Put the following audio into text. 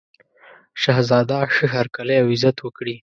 شهزاده ښه هرکلی او عزت وکړي.